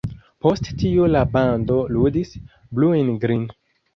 Post tio la bando ludis „Blue in Green”.